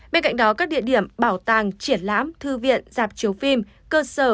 bên cạnh đó các địa điểm bảo tàng triển lãm thư viện dạp chiếu phim cơ sở